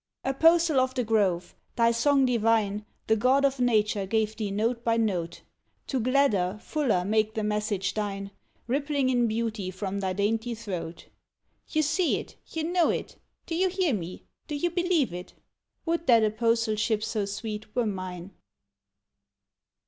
Apostle of the grove! Thy song divine The God of Nature gave thee note by note, To gladder, fuller make the message thine, Rippling in beauty from thy dainty throat. "You see it! You know it! Do you hear me? Do you believe it?" Would that apostleship so sweet were mine!